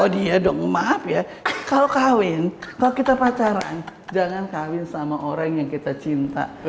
oh dia dong maaf ya kalau kawin kalau kita pacaran jangan kawin sama orang yang kita cinta